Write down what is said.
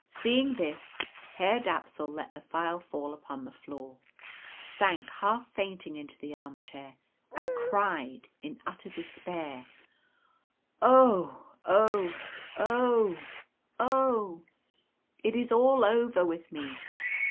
Seeing this, Herr Dapsul let the file fall upon the floor, sank half fainting into the armchair, and cried, in utter despair, "Oh oh oh oh! It is all over with me!